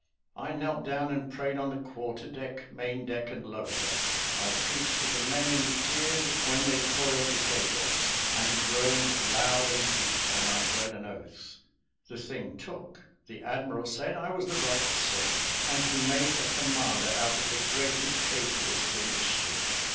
I knelt down and prayed on the quarter deck, main deck, and lower deck. I preached to the men in the tiers, when they coiled the cables, and groaned loud and deep when I heard an oath. The thing took the admiral said I was the right sort, and he made a commander out of the greatest atheist in the ship.